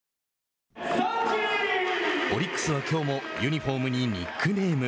オリックスは、きょうもユニホームにニックネーム。